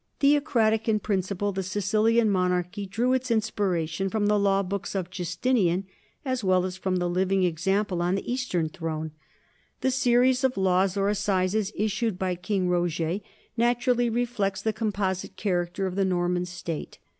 Theocratic in principle, the Sicilian monarchy drew its inspiration from the law books of Justinian as well as from the liv ing example on the eastern throne. The series of laws or assizes issued by King Roger naturally reflects the composite character of the Norman state.